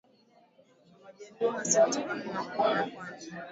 Wajaluo hasa kutokana na kuona kwani